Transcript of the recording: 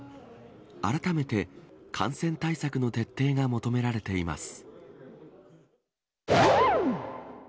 改めて感染対策の徹底が求められています。